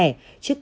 trước tấm bài hỏi